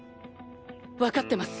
わかってます